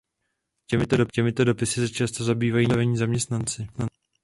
Těmito dopisy se často zabývají níže postavení zaměstnanci.